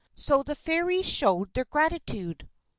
So the Fairies showed their gratitude.